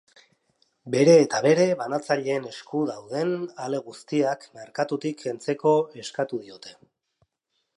Bere eta bere banatzaileen esku dauden ale guztiak merkatutik kentzeko eskatu diote.